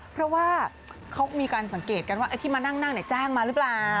เพราะว่าเขามีการสังเกตกันว่าไอ้ที่มานั่งแจ้งมาหรือเปล่า